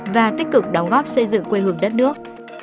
và tích cực đóng góp xây dựng quê hương đất nước